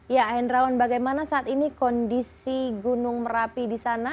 ya hendrawan bagaimana saat ini kondisi gunung merapi di sana